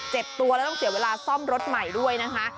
เจ็บตัวแล้วต้องเสียเวลาซ่อมรถใหม่ด้วยนะคะ